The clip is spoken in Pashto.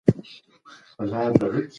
هغه وویل چې زه به هیڅکله دا ورځ هېره نه کړم.